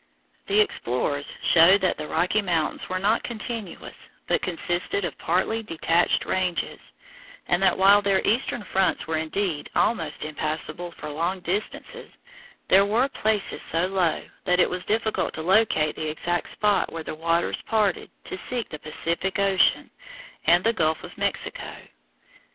The explorers showed that the Rocky Mountains were not continuous, but consisted of partly detached ranges, and that while their eastern fronts were indeed almost impassable for long distances, there were places so low that it was difficult to locate the exact spot where the waters parted to seek the Pacific Ocean and the Gulf of Mexico.